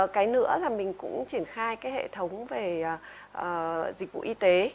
cái nữa là mình cũng triển khai cái hệ thống về dịch vụ y tế